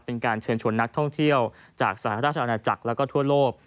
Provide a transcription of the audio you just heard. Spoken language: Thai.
เป็นการเชิญชวนนักท่องเที่ยวจากสหราชอาณาจักรแล้วก็ทั่วโลก